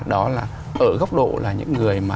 đó là ở góc độ là những người